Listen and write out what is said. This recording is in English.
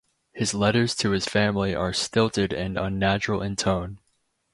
His letters to his family are stilted and unnatural in tone.